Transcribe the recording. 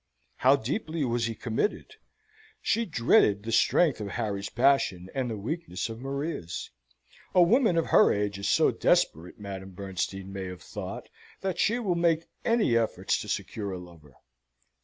How deeply was he committed? She dreaded the strength of Harry's passion, and the weakness of Maria's. A woman of her age is so desperate, Madame Bernstein may have thought, that she will make any efforts to secure a lover.